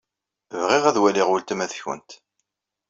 Bɣiɣ ad waliɣ weltma-tkent.